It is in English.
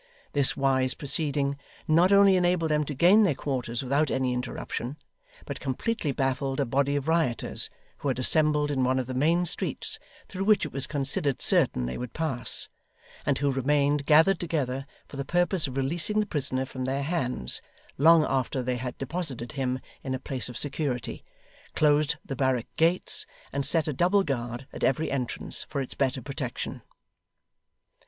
This wise proceeding not only enabled them to gain their quarters without any interruption, but completely baffled a body of rioters who had assembled in one of the main streets, through which it was considered certain they would pass, and who remained gathered together for the purpose of releasing the prisoner from their hands, long after they had deposited him in a place of security, closed the barrack gates, and set a double guard at every entrance for its better protection.